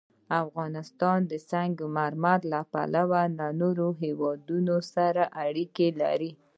افغانستان د سنگ مرمر له پلوه له نورو هېوادونو سره اړیکې لري.